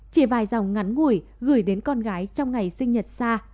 chỉ vài dòng ngắn ngủi gửi đến con gái trong ngày sinh nhật xa